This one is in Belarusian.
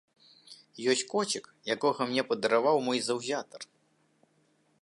Ёсць коцік, якога мне падараваў мой заўзятар.